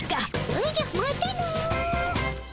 おじゃまたの。